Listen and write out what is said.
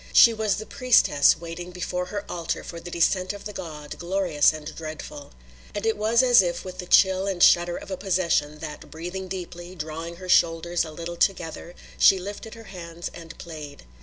She was the priestess waiting before her altar for the descent of the god, glorious and dreadful. And it was as if with the chill and shudder of a possession that, breathing deeply, drawing her shoulders a little together, she lifted her hands and played.